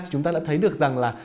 chúng ta đã thấy được rằng là